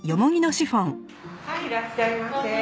はいいらっしゃいませ。